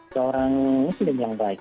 seorang muslim yang baik